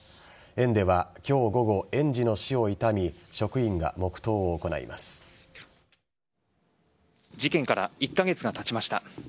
園では今日午後、園児の死をいたみ事件から１カ月がたちました。